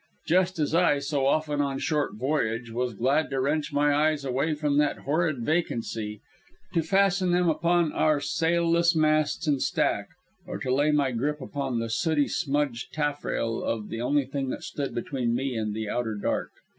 Just as I, so often on short voyage, was glad to wrench my eyes away from that horrid vacancy, to fasten them upon our sailless masts and stack, or to lay my grip upon the sooty smudged taffrail of the only thing that stood between me and the Outer Dark.